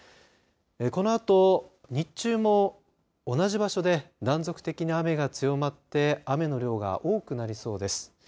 このあと、日中も同じ場所で断続的な雨が強まって雨の量が多くなりそうです。